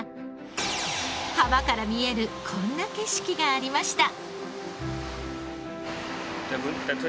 浜から見えるこんな景色がありました。